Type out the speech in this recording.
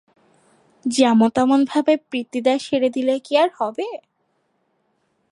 যেমন-তেমন ভাবে পিতৃদায় সেরে দিলে কি আর হবে?